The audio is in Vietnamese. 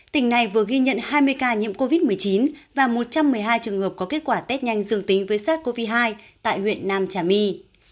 tỉnh này vừa ghi nhận hai mươi ca nhiễm covid một mươi chín và một trăm một mươi hai trường hợp có kết quả test nhanh dường tính với sars cov hai tại huyện nam trà my